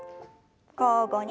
交互に。